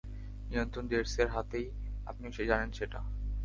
নিয়ন্ত্রণ জেটসের হাতেই, আপনিও জানেন সেটা।